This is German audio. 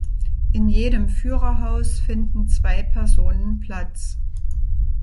In jedem Führerhaus finden zwei Personen Platz.